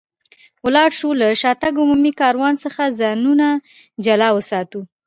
ولاړ شو، له شاتګ عمومي کاروان څخه ځانونه جلا وساتو.